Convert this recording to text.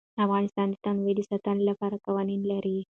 افغانستان د تنوع د ساتنې لپاره قوانین لري.